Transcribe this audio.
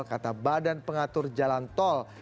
kata badan pengatur jalan tol